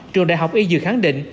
trường đại học y dược khẳng định